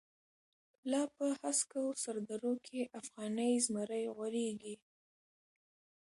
لاپه هسکوسردروکی، افغانی زمری غوریږی